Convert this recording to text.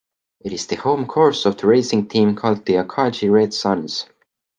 It is the home course of the racing team called the Akagi Red Suns.